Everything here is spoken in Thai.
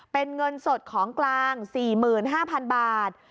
เป็นเงินสดของกลาง๔๕๐๐๐บาท